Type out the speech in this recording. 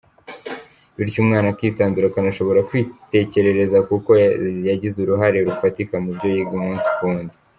Bityo umwana akisanzura akanashobora kwitekerereza kuko yagize uruhare rufatika mubyo yiga umunsi ku wundi.